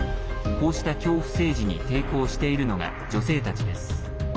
こうした恐怖政治に抵抗しているのが、女性たちです。